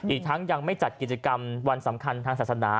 อีกทั้งยังไม่จัดกิจกรรมวันสำคัญทางศาสนา